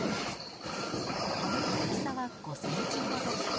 花の大きさは５センチほど。